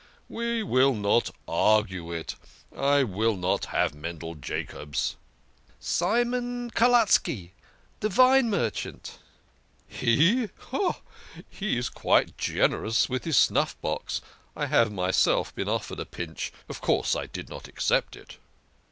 " We will not argue it. I will not have Mendel Jacobs." "Simon Kelutski, de vine merchant." " He ! He is quite generous with his snuff box. I have myself been offered a pinch. Of course I did not accept it."